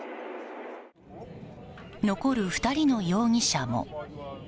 残る２人の容疑者も。